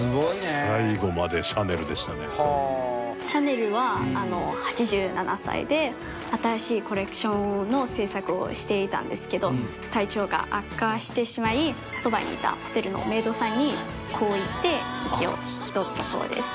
シャネルは８７歳で新しいコレクションの制作をしていたんですけど体調が悪化してしまいそばにいたホテルのメイドさんにこう言って息を引き取ったそうです。